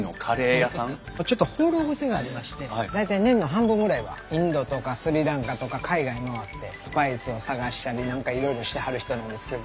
ちょっと放浪癖がありまして大体年の半分ぐらいはインドとかスリランカとか海外回ってスパイスを探したり何かいろいろしてはる人なんですけど。